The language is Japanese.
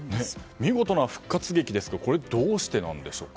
見事な復活劇ですけどどうしてなんでしょうか。